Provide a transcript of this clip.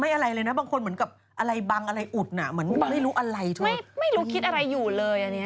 ไม่อย่างนี้เราก็ยังตกใจอยู่เลย